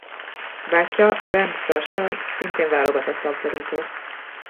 Bátyja Bernd Förster szintén válogatott labdarúgó.